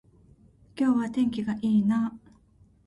今日は天気が良いなあ